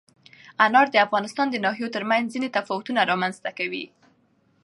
انار د افغانستان د ناحیو ترمنځ ځینې تفاوتونه رامنځ ته کوي.